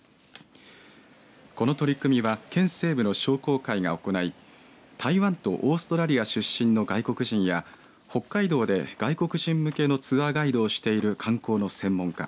この取り組みは県西部の商工会が行い台湾とオーストラリア出身の外国人や北海道で外国人向けのツアーガイドをしている観光の専門家